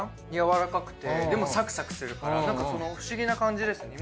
柔らかくてでもサクサクするからなんか不思議な感じです。